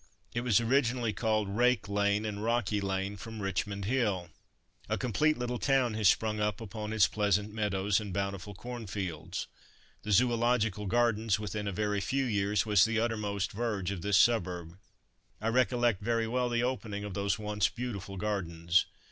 It was originally called Rake lane, and Rocky lane from Richmond hill. A complete little town has sprung up upon its pleasant meadows and bountiful cornfields. The Zoological Gardens, within a very few years, was the uttermost verge of this suburb. I recollect very well the opening of those once beautiful gardens.